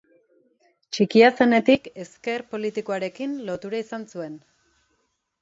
Txikia zenetik esker politikoarekin lotura izan zuen.